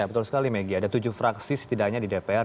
betul sekali megi ada tujuh fraksi setidaknya di dpr